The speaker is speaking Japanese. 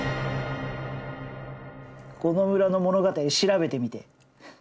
この村の物語調べてみて。